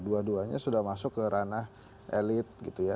dua duanya sudah masuk ke ranah elit